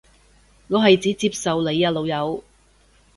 我係指接受你啊老友